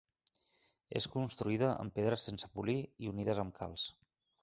És construïda amb pedres sense polir i unides amb calç.